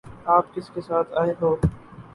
آپ کس کے ساتھ آئے ہو؟